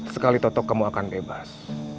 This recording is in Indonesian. sekali toto kamu akan bebas